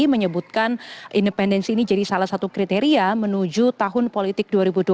menyebutkan independensi ini jadi salah satu kriteria menuju tahun politik dua ribu dua puluh empat